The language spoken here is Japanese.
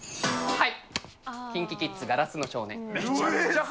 はい！